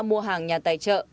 ba mua hàng nhà tài trợ